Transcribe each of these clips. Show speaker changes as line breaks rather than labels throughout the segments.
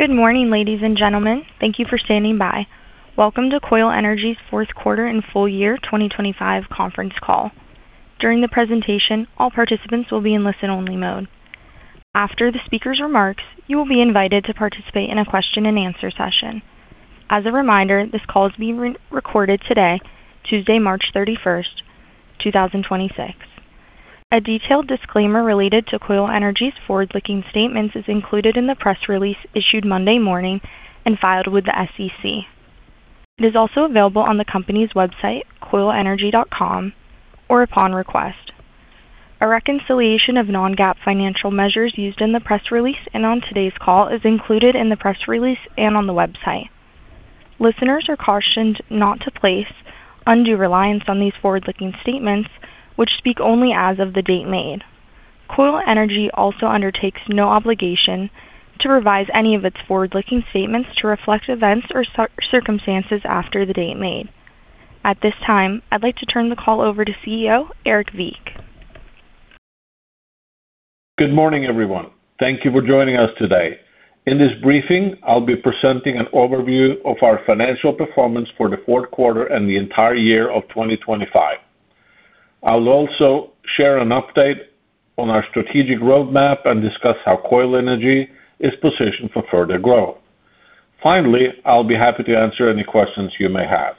Good morning, ladies and gentlemen. Thank you for standing by. Welcome to Koil Energy Fourth Quarter and Full-Year 2025 Conference Call. During the presentation, all participants will be in listen-only mode. After the speaker's remarks, you will be invited to participate in a question-and-answer session. As a reminder, this call is being recorded today, Tuesday, March 31st, 2026. A detailed disclaimer related to Koil Energy's forward-looking statements is included in the press release issued Monday morning and filed with the SEC. It is also available on the company's website, koilenergy.com, or upon request. A reconciliation of non-GAAP financial measures used in the press release and on today's call is included in the press release and on the website. Listeners are cautioned not to place undue reliance on these forward-looking statements, which speak only as of the date made. Koil Energy also undertakes no obligation to revise any of its forward-looking statements to reflect events or circumstances after the date made. At this time, I'd like to turn the call over to CEO Erik Wiik.
Good morning, everyone. Thank you for joining us today. In this briefing, I'll be presenting an overview of our financial performance for the fourth quarter and the entire year of 2025. I'll also share an update on our strategic roadmap and discuss how Koil Energy is positioned for further growth. Finally, I'll be happy to answer any questions you may have.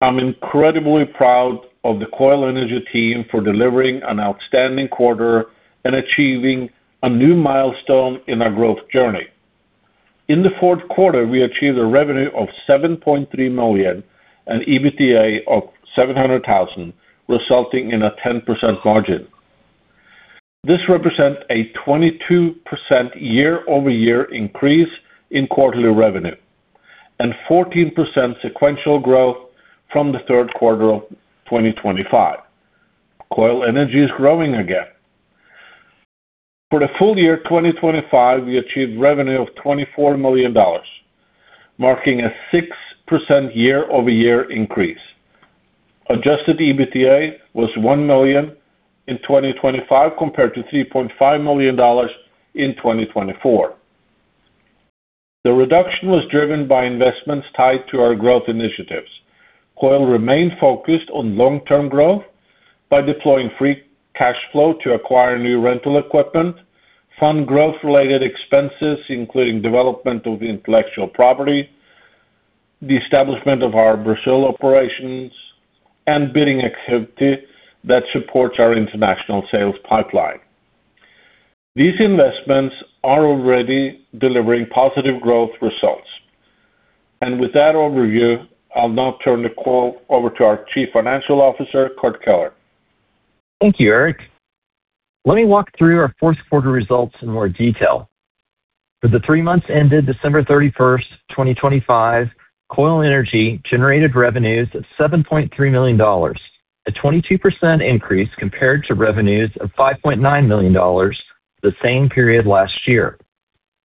I'm incredibly proud of the Koil Energy team for delivering an outstanding quarter and achieving a new milestone in our growth journey. In the fourth quarter, we achieved a revenue of $7.3 million and EBITDA of $700,000, resulting in a 10% margin. This represent a 22% year-over-year increase in quarterly revenue and 14% sequential growth from the third quarter of 2025. Koil Energy is growing again. For the full year 2025, we achieved revenue of $24 million, marking a 6% year-over-year increase. Adjusted EBITDA was $1 million in 2025 compared to $3.5 million in 2024. The reduction was driven by investments tied to our growth initiatives. Koil remained focused on long-term growth by deploying free cash flow to acquire new rental equipment, fund growth-related expenses, including development of intellectual property, the establishment of our Brazil operations, and bidding activity that supports our international sales pipeline. These investments are already delivering positive growth results. With that overview, I'll now turn the call over to our Chief Financial Officer, Kurt Keller.
Thank you, Erik. Let me walk through our fourth quarter results in more detail. For the three months ended December 31st, 2025, Koil Energy generated revenues of $7.3 million, a 22% increase compared to revenues of $5.9 million the same period last year.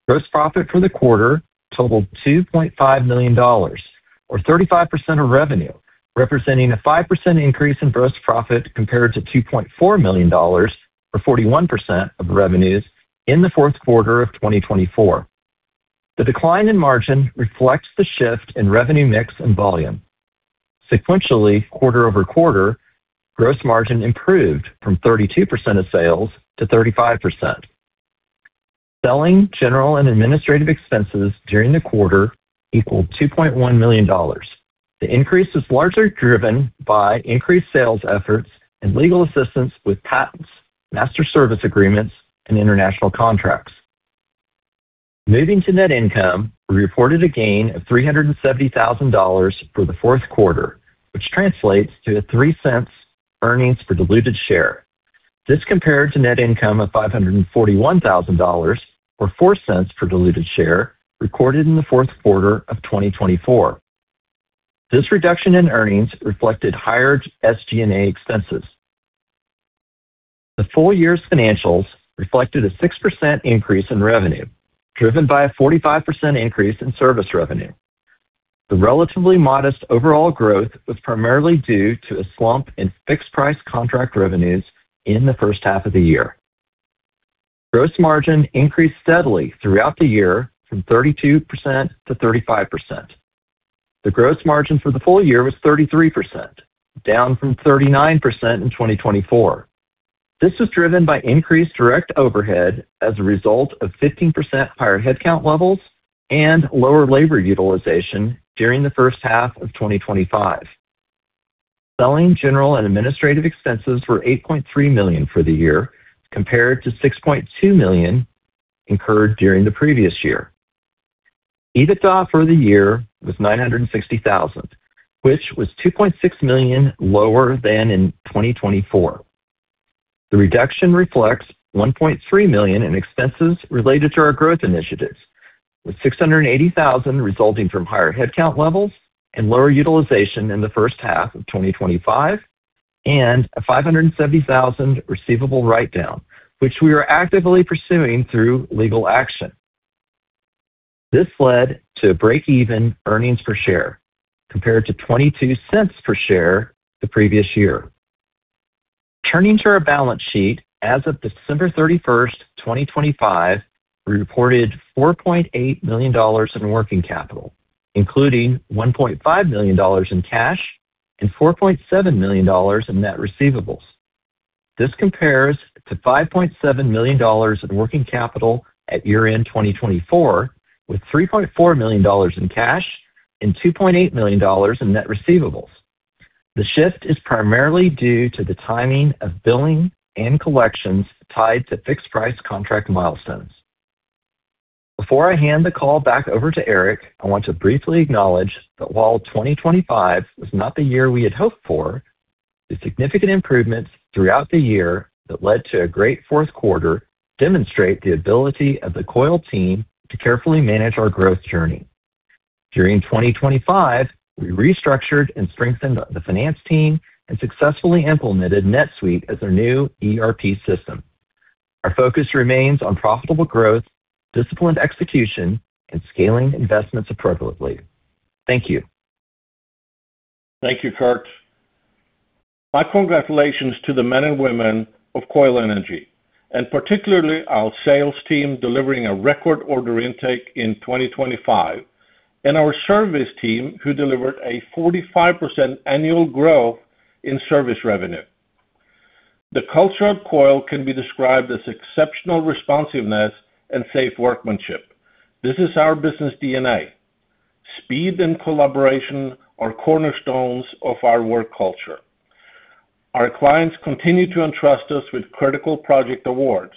Gross profit for the quarter totaled $2.5 million or 35% of revenue, representing a 5% increase in gross profit compared to $2.4 million or 41% of revenues in the fourth quarter of 2024. The decline in margin reflects the shift in revenue mix and volume. Sequentially, quarter-over-quarter, gross margin improved from 32% of sales to 35%. Selling, general, and administrative expenses during the quarter equaled $2.1 million. The increase was largely driven by increased sales efforts and legal assistance with patents, master service agreements, and international contracts. Moving to net income, we reported a gain of $370,000 for the fourth quarter, which translates to $0.03 earnings per diluted share. This compared to net income of $541,000 or $0.04 per diluted share recorded in the fourth quarter of 2024. This reduction in earnings reflected higher SG&A expenses. The full-year's financials reflected a 6% increase in revenue, driven by a 45% increase in service revenue. The relatively modest overall growth was primarily due to a slump in fixed price contract revenues in the first half of the year. Gross margin increased steadily throughout the year from 32% to 35%. The gross margin for the full year was 33%, down from 39% in 2024. This was driven by increased direct overhead as a result of 15% higher headcount levels and lower labor utilization during the first half of 2025. Selling, general, and administrative expenses were $8.3 million for the year, compared to $6.2 million incurred during the previous year. EBITDA for the year was $960,000, which was $2.6 million lower than in 2024. The reduction reflects $1.3 million in expenses related to our growth initiatives, with $680,000 resulting from higher headcount levels and lower utilization in the first half of 2025 and a $570,000 receivable write-down, which we are actively pursuing through legal action. This led to break-even earnings per share compared to $0.22 per share the previous year. Turning to our balance sheet. As of December 31st, 2025, we reported $4.8 million in working capital, including $1.5 million in cash and $4.7 million in net receivables. This compares to $5.7 million in working capital at year-end 2024, with $3.4 million in cash and $2.8 million in net receivables. The shift is primarily due to the timing of billing and collections tied to fixed price contract milestones. Before I hand the call back over to Erik, I want to briefly acknowledge that while 2025 was not the year we had hoped for, the significant improvements throughout the year that led to a great fourth quarter demonstrate the ability of the Koil team to carefully manage our growth journey. During 2025, we restructured and strengthened the finance team and successfully implemented NetSuite as our new ERP system. Our focus remains on profitable growth, disciplined execution, and scaling investments appropriately. Thank you.
Thank you, Kurt. My congratulations to the men and women of Koil Energy, and particularly our sales team, delivering a record order intake in 2025, and our service team, who delivered a 45% annual growth in service revenue. The culture of Koil can be described as exceptional responsiveness and safe workmanship. This is our business DNA. Speed and collaboration are cornerstones of our work culture. Our clients continue to entrust us with critical project awards.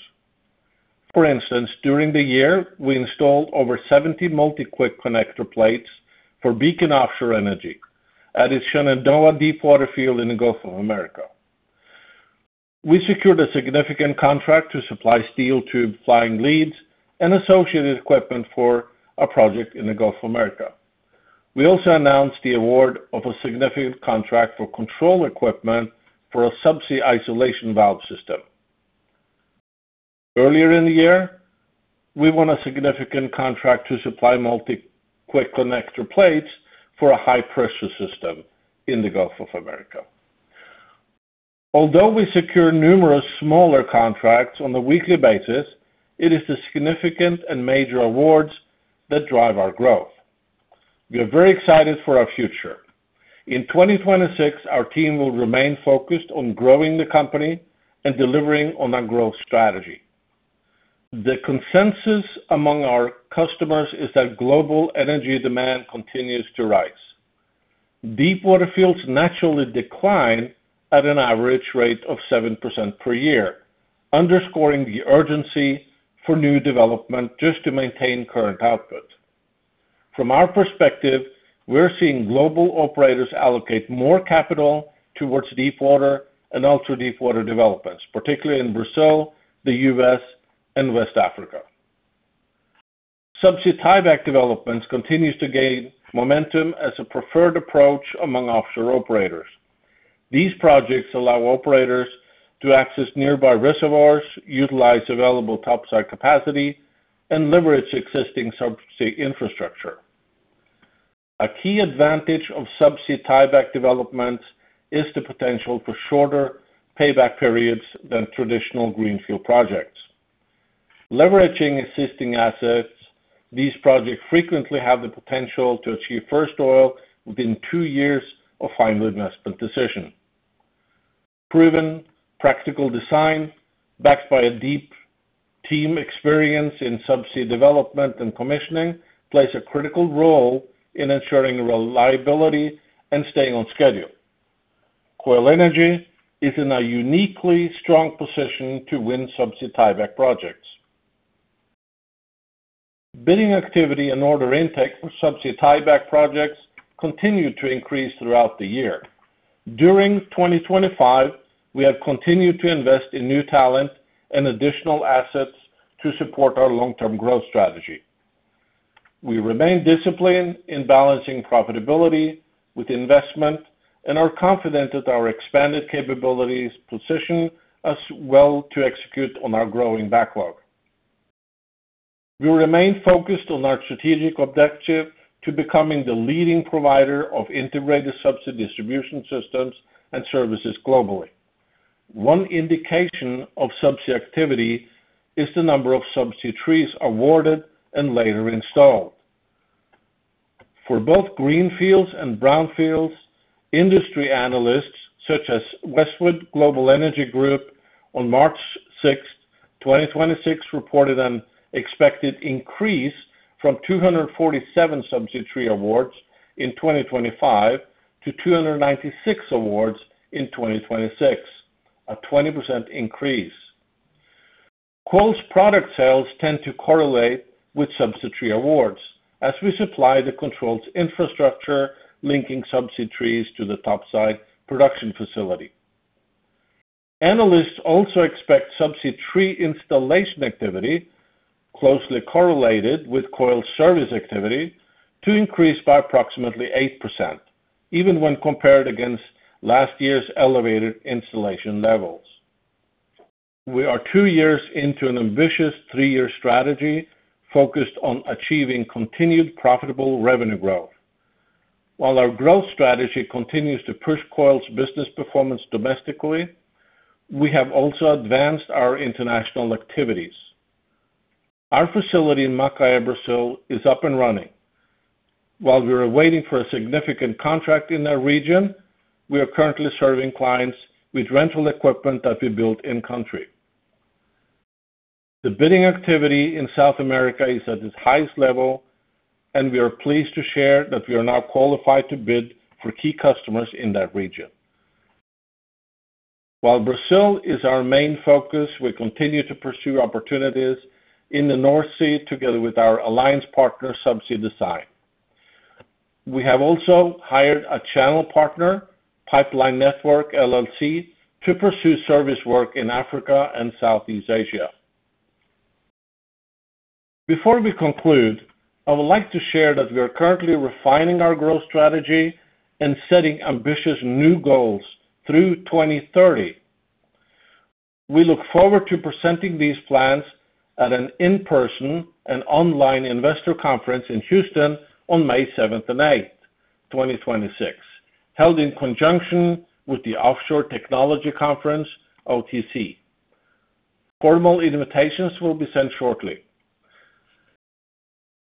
For instance, during the year, we installed over 70 Multi Quick Connector plates for Beacon Offshore Energy at its Shenandoah deepwater field in the Gulf of America. We secured a significant contract to supply Steel Tube Flying Leads and associated equipment for a project in the Gulf of America. We also announced the award of a significant contract for control equipment for a Subsea Isolation Valve System. Earlier in the year, we won a significant contract to supply Multi Quick Connector plates for a high-pressure system in the Gulf of America. Although we secure numerous smaller contracts on a weekly basis, it is the significant and major awards that drive our growth. We are very excited for our future. In 2026, our team will remain focused on growing the company and delivering on our growth strategy. The consensus among our customers is that global energy demand continues to rise. Deepwater fields naturally decline at an average rate of 7% per year, underscoring the urgency for new development just to maintain current output. From our perspective, we're seeing global operators allocate more capital towards deepwater and ultra-deepwater developments, particularly in Brazil, the U.S., and West Africa. Subsea tieback developments continues to gain momentum as a preferred approach among offshore operators. These projects allow operators to access nearby reservoirs, utilize available topside capacity, and leverage existing subsea infrastructure. A key advantage of subsea tieback developments is the potential for shorter payback periods than traditional greenfield projects. Leveraging existing assets, these projects frequently have the potential to achieve first oil within two years of final investment decision. Proven practical design, backed by a deep team experience in subsea development and commissioning, plays a critical role in ensuring reliability and staying on schedule. Koil Energy is in a uniquely strong position to win subsea tieback projects. Bidding activity and order intake for subsea tieback projects continued to increase throughout the year. During 2025, we have continued to invest in new talent and additional assets to support our long-term growth strategy. We remain disciplined in balancing profitability with investment and are confident that our expanded capabilities position us well to execute on our growing backlog. We remain focused on our strategic objective to becoming the leading provider of integrated Subsea Distribution Systems and Services globally. One indication of subsea activity is the number of subsea trees awarded and later installed. For both greenfields and brownfields, industry analysts such as Westwood Global Energy Group on March 6th, 2026, reported an expected increase from 247 subsea tree awards in 2025 to 296 awards in 2026, a 20% increase. Koil's product sales tend to correlate with subsea tree awards as we supply the controlled infrastructure linking subsea trees to the topside production facility. Analysts also expect subsea tree installation activity closely correlated with Koil service activity to increase by approximately 8%, even when compared against last year's elevated installation levels. We are two years into an ambitious three-year strategy focused on achieving continued profitable revenue growth. While our growth strategy continues to push Koil's business performance domestically, we have also advanced our international activities. Our facility in Macaé, Brazil, is up and running. While we are waiting for a significant contract in that region, we are currently serving clients with rental equipment that we built in country. The bidding activity in South America is at its highest level, and we are pleased to share that we are now qualified to bid for key customers in that region. While Brazil is our main focus, we continue to pursue opportunities in the North Sea together with our alliance partner, SubseaDesign. We have also hired a channel partner, Pipeline Network LLC, to pursue service work in Africa and Southeast Asia. Before we conclude, I would like to share that we are currently refining our growth strategy and setting ambitious new goals through 2030. We look forward to presenting these plans at an in-person and online Investor Conference in Houston on May 7th and 8th, 2026, held in conjunction with the Offshore Technology Conference, OTC. Formal invitations will be sent shortly.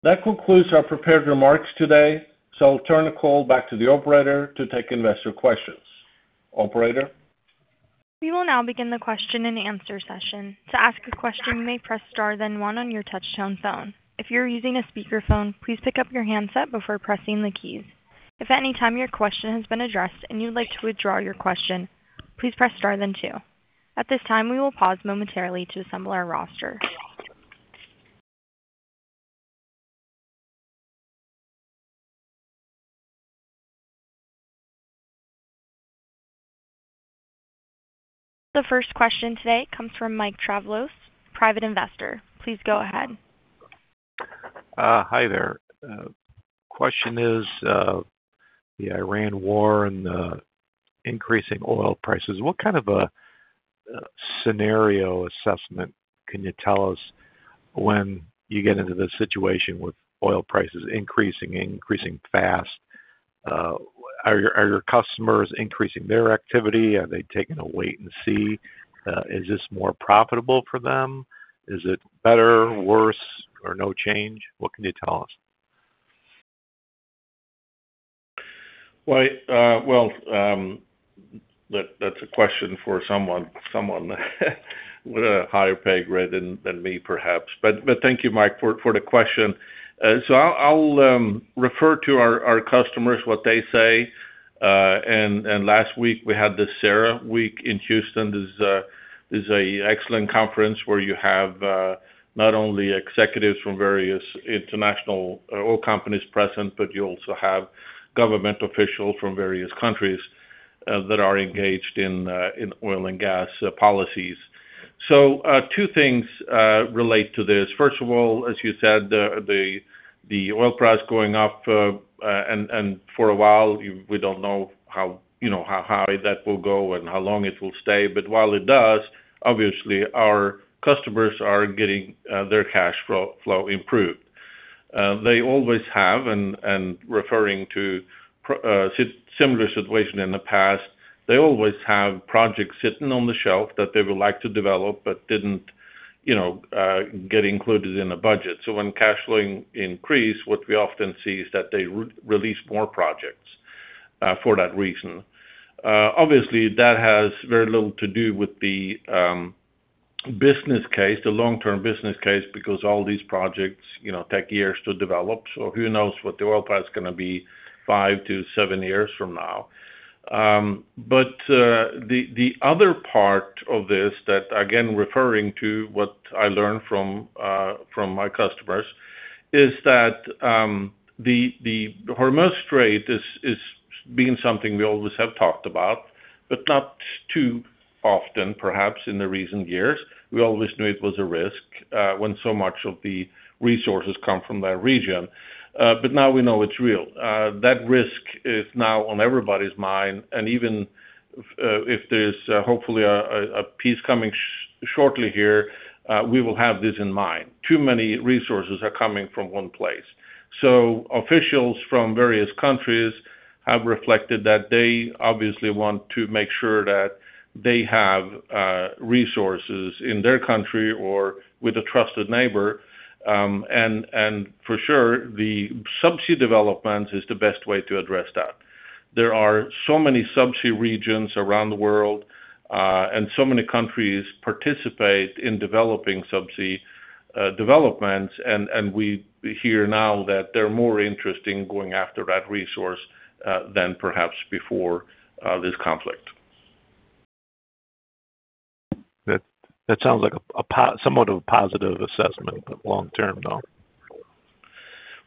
That concludes our prepared remarks today, so I'll turn the call back to the operator to take investor questions. Operator?
We will now begin the question-and-answer session. To ask a question, you may press star then one on your touch-tone phone. If you're using a speakerphone, please pick up your handset before pressing the keys. If at any time your question has been addressed and you'd like to withdraw your question, please press star then two. At this time, we will pause momentarily to assemble our roster. The first question today comes from Mike Travlos, Private Investor. Please go ahead.
Hi there. Question is, the Iran war and increasing oil prices. What kind of scenario assessment can you tell us when you get into this situation with oil prices increasing and increasing fast? Are your customers increasing their activity? Are they taking a wait and see? Is this more profitable for them? Is it better, worse, or no change? What can you tell us?
Why, that's a question for someone with a higher pay grade than me, perhaps. Thank you, Mike, for the question. I'll refer to our customers what they say. Last week we had the CERAWeek in Houston. This is an excellent conference where you have not only executives from various international oil companies present, but you also have government officials from various countries that are engaged in oil and gas policies. Two things relate to this. First of all, as you said, the oil price going up and for a while, we don't know how you know how high that will go and how long it will stay. While it does, obviously our customers are getting their cash flow improved. They always have, and referring to similar situations in the past, they always have projects sitting on the shelf that they would like to develop but didn't, you know, get included in the budget. When cash flows increase, what we often see is that they release more projects for that reason. Obviously, that has very little to do with the business case, the long-term business case, because all these projects, you know, take years to develop. Who knows what the oil price is gonna be five to seven years from now. The other part of this that, again, referring to what I learned from my customers is that the Hormuz Strait has been something we always have talked about, but not too often, perhaps, in the recent years. We always knew it was a risk, when so much of the resources come from that region. Now we know it's real. That risk is now on everybody's mind, and even if there's hopefully a peace coming shortly here, we will have this in mind. Too many resources are coming from one place. Officials from various countries have reflected that they obviously want to make sure that they have resources in their country or with a trusted neighbor. For sure, the subsea development is the best way to address that. There are so many subsea regions around the world, and so many countries participate in developing subsea developments, and we hear now that they're more interested in going after that resource than perhaps before this conflict.
That sounds like somewhat of a positive assessment, but long-term, though.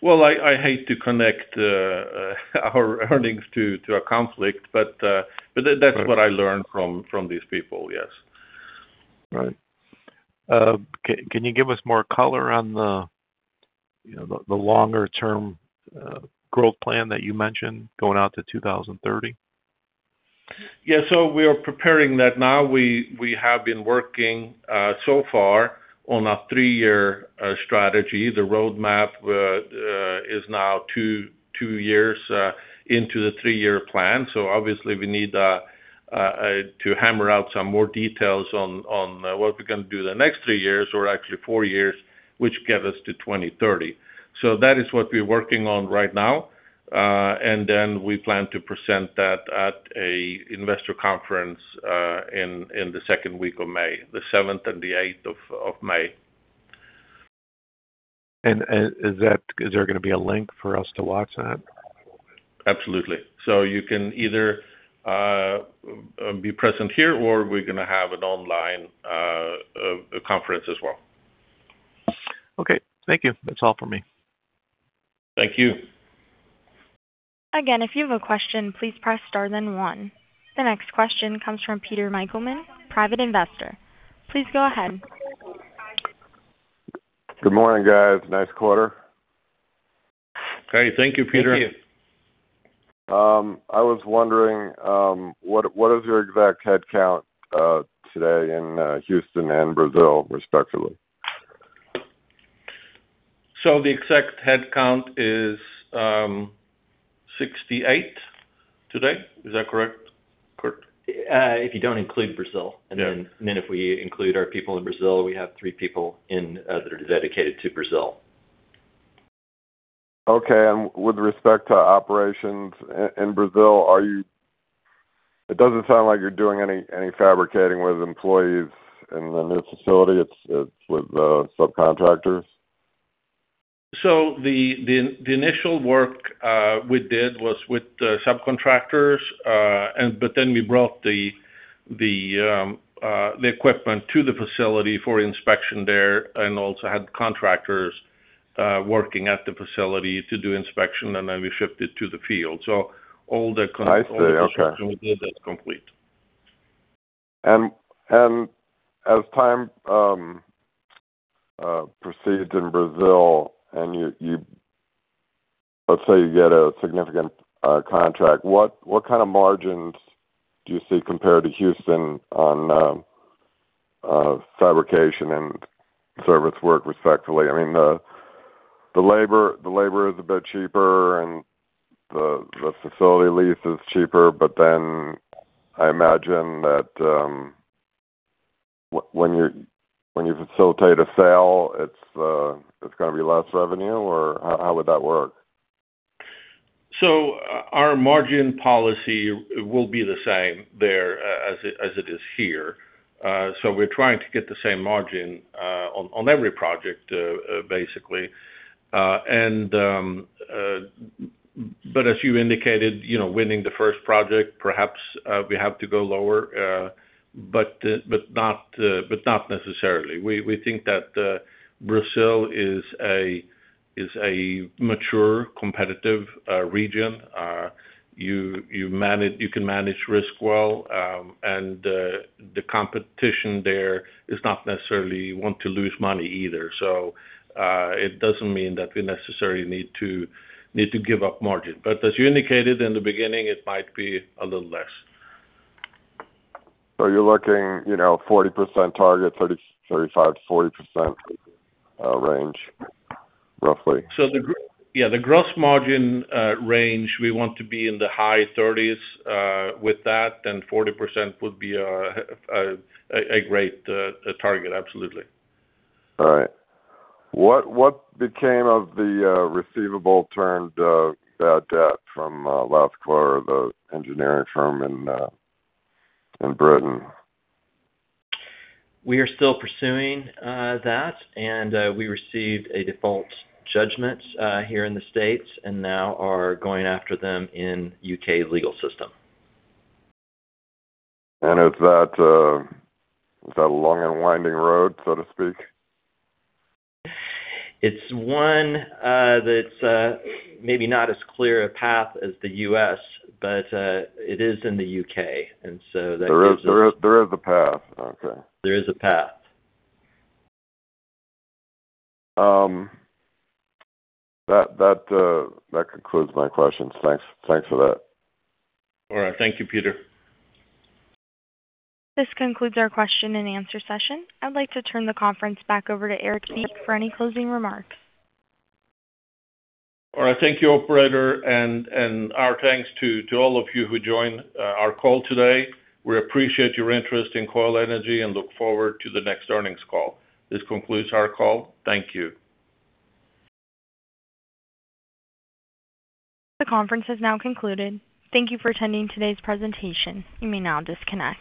Well, I hate to connect our earnings to a conflict, but that.
Right.
That's what I learned from these people, yes.
Right. Can you give us more color on the, you know, the longer term, growth plan that you mentioned going out to 2030.
Yeah. We are preparing that now. We have been working so far on a three-year strategy. The roadmap is now two years into the three-year plan. Obviously, we need to hammer out some more details on what we're gonna do the next three years or actually four years, which get us to 2030. That is what we're working on right now. We plan to present that at an Investor Conference in the second week of May, the 7th and the 8th of May.
Is there gonna be a link for us to watch that?
Absolutely. You can either be present here or we're gonna have an online conference as well.
Okay. Thank you. That's all for me.
Thank you.
Again, if you have a question, please press star then one. The next question comes from Peter Michelman, Private Investor. Please go ahead.
Good morning, guys. Nice quarter.
Hey. Thank you, Peter.
Thank you.
I was wondering, what is your exact headcount today in Houston and Brazil, respectively?
The exact headcount is 68 today. Is that correct, Kurt?
If you don't include Brazil. If we include our people in Brazil, we have three people that are dedicated to Brazil.
Okay. With respect to operations in Brazil, it doesn't sound like you're doing any fabricating with employees in the new facility. It's with subcontractors.
The initial work we did was with the subcontractors. We brought the equipment to the facility for inspection there and also had contractors working at the facility to do inspection, and then we shipped it to the field. All the con-
I see. Okay.
All the construction we did is complete.
As time proceeds in Brazil and let's say you get a significant contract, what kind of margins do you see compared to Houston on fabrication and service work respectively? I mean, the labor is a bit cheaper and the facility lease is cheaper, but then I imagine that when you facilitate a sale, it's gonna be less revenue or how would that work?
Our margin policy will be the same there as it is here. We're trying to get the same margin on every project, basically. As you indicated, you know, winning the first project, perhaps, we have to go lower, but not necessarily. We think that Brazil is a mature, competitive region. You can manage risk well, and the competition there doesn't necessarily want to lose money either. It doesn't mean that we necessarily need to give up margin. As you indicated in the beginning, it might be a little less.
You're looking, you know, 40% target, 30%, 35%-40% range, roughly?
Yeah, the gross margin range we want to be in the high 30s percent, with that, then 40% would be a great target, absolutely.
All right. What became of the receivable turned bad debt from last quarter, the engineering firm in Britain?
We are still pursuing that, and we received a default judgment here in the States, and now we are going after them in the U.K. legal system.
Is that a long and winding road, so to speak?
It's one that's maybe not as clear a path as the U.S., but it is in the U.K. That gives us-
There is a path. Okay.
There is a path.
That concludes my questions. Thanks. Thanks for that.
All right. Thank you, Peter.
This concludes our question-and-answer session. I'd like to turn the conference back over to Erik Wiik for any closing remarks.
All right. Thank you, operator. Our thanks to all of you who joined our call today. We appreciate your interest in Koil Energy and look forward to the next earnings call. This concludes our call. Thank you.
The conference has now concluded. Thank you for attending today's presentation. You may now disconnect.